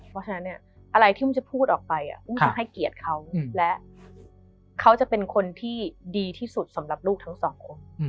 เพราะฉะนั้นอะไรที่อุ้มจะพูดออกไปอุ้มจะให้เกียรติเขาและเขาจะเป็นคนที่ดีที่สุดสำหรับลูกทั้งสองคน